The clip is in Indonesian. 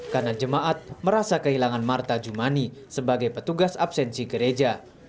karena jemaat merasa kehilangan marta jumani sebagai petugas absensi gereja